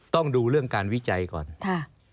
ต้องดูเรื่องการวิจัยก่อนค่ะ